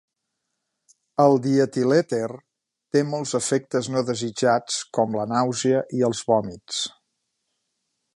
El dietilèter té molts efectes no desitjats com la nàusea i els vòmits.